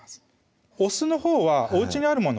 お酢のほうはおうちにあるもの